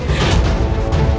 ini mah aneh